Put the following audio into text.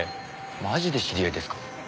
マジで知り合いですか？